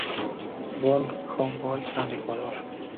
Von Humboldt a Ecuador.